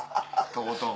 とことん。